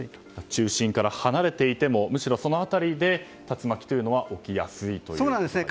中心から離れていてもむしろ、その辺りで竜巻というのは起きやすいということなんですね。